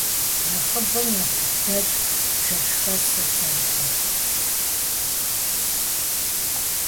Нэхъыбэм нартыхудэч жэщхэсут зэрыкӀуэр.